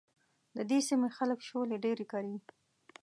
د دې سيمې خلک شولې ډېرې کري.